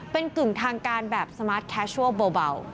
เป็นกึ่งทางการแบบสมาร์ทแคชชัลเบา